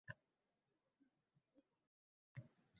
Chunki men ham bor, shu chinorlar ham bor.